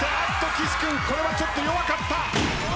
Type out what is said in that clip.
岸君これはちょっと弱かった。